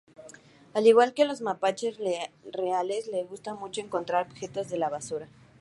Al igual que los mapaches reales, le gusta mucho encontrar objetos de la basura.